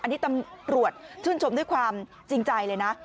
อันนี้ตำรวจชื่นชมด้วยความจริงใจเลยนะ